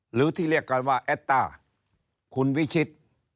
หรือที่เรียกกันว่าแอดต้าคุณวิชิต